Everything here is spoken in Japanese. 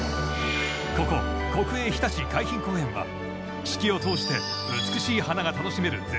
ここ国営ひたち海浜公園は四季を通して美しい花が楽しめる絶景スポット。